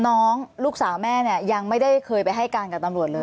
น้องลูกสาวแม่เนี่ยยังไม่ได้เคยไปให้การกับตำรวจเลย